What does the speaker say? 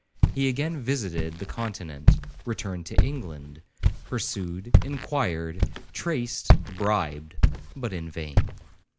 He again visited the Continent, returned to England,—pursued, inquired, traced, bribed, but in vain.